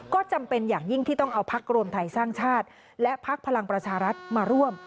ก็จำเป็นอย่างยิ่งที่ต้องเอาพักรวมไทยสร้างชาติและพักพลังประชารัฐมาร่วม